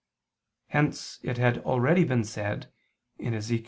Hence it had already been said (Ezech.